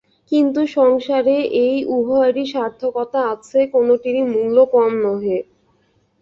কিন্তু সংসারে এই উভয়েরই স্বার্থকতা আছে, কোনটিরই মূল্য কম নহে।